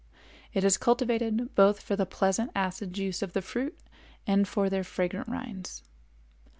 It is cultivated both for the pleasant acid juice of the fruit and for their fragrant rinds.